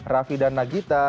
raffi dan nagita